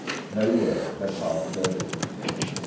No word had passed her lips.